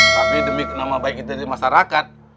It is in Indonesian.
tapi demi nama baik kita di masyarakat